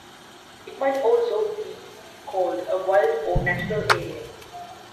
It might also be called a "wild" or "natural" area.